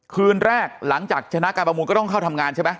คืนแรกหลังจากชนะการประมูลก็ต้องเข้าทำงานใช่ไหม